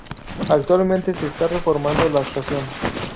Actualmente se está reformando la estación.